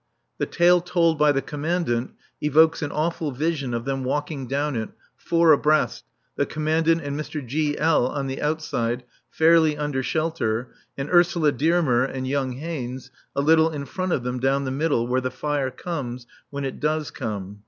The tale told by the Commandant evokes an awful vision of them walking down it, four abreast, the Commandant and Mr. G. L on the outside, fairly under shelter, and Ursula Dearmer and young Haynes a little in front of them down the middle, where the fire comes, when it does come.